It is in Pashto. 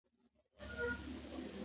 لوستې نجونې د ټولنې اړيکې ټينګوي.